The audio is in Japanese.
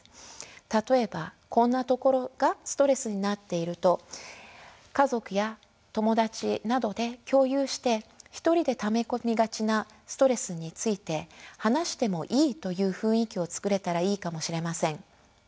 例えばこんなところがストレスになっていると家族や友達などで共有して一人でため込みがちなストレスについて話してもいいという雰囲気をつくれたらいいかもしれません。